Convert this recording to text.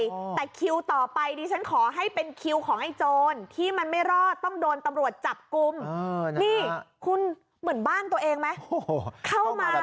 แต่คิวต่อไปดิฉันขอให้เป็นคิวของไอ้โจรที่มันไม่รอดต้องโดนตำรวจจับกลุ่มเออนี่คุณเหมือนบ้านตัวเองไหมโอ้โหเข้ามา